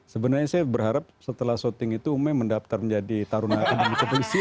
sebenarnya saya berharap setelah syuting itu ume mendaftar menjadi taruna akademi kepolisian